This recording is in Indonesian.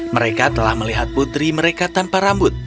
mereka telah melihat putri mereka tanpa rambut